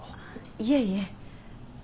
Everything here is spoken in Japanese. いえいえ。